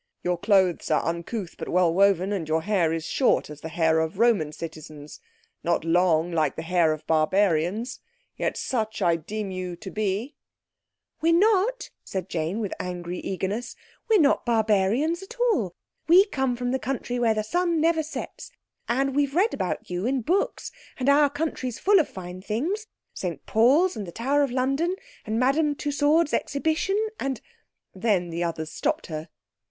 "Your clothes are uncouth, but well woven, and your hair is short as the hair of Roman citizens, not long like the hair of barbarians, yet such I deem you to be." "We're not," said Jane with angry eagerness; "we're not barbarians at all. We come from the country where the sun never sets, and we've read about you in books; and our country's full of fine things—St Paul's, and the Tower of London, and Madame Tussaud's Exhibition, and—" Then the others stopped her.